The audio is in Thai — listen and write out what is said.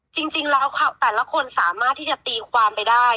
จริงแล้วแต่ละคนสามารถที่จะตีความไปได้